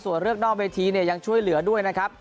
ส่วนเรื่องนอกเวทีเนี่ยยังช่วยเหลือด้วยนะครับ